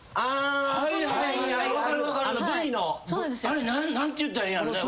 あれ何て言ったらええんやろうね。